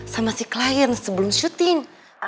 sama si klien sebelum syuting